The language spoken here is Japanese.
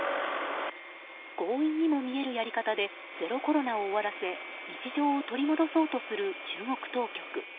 強引にも見えるやり方でゼロコロナを終わらせ日常を取り戻そうとする中国当局。